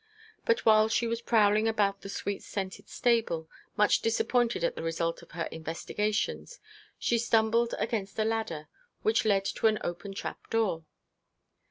But while she was prowling about the sweet scented stable, much disappointed at the result of her investigations, she stumbled against a ladder which led to an open trap door.